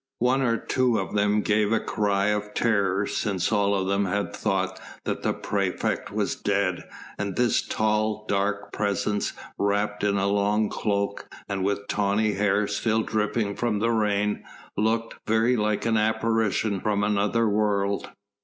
One or two of them gave a cry of terror since all of them had thought that the praefect was dead, and this tall, dark presence, wrapped in a long cloak and with tawny hair still dripping from the rain, looked very like an apparition from another world.